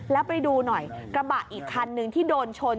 แล้วไปดูหน่อยกระบะอีกคันนึงที่โดนชน